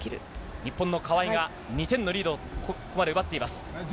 日本の川井が２点のリードを、ここまで奪っています。